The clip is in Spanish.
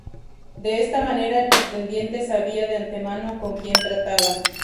De esa manera el pretendiente sabía de antemano con quien trataban.